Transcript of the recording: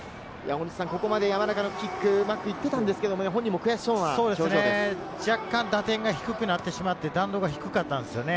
ここまで山中のキック、うまくいってたんですけれども、本人も若干、打点が低くなってしまって、弾道が低かったんですよね。